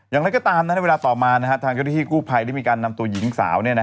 อย่างไรก็ตามในเวลาต่อมาทางเจ้าหน้าที่กู้ภัยได้มีการนำตัวหญิงสาว